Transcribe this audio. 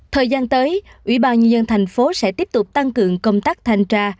thời gian tới ủy ban nhân dân thành phố sẽ tiếp tục tăng cường công tác thanh tra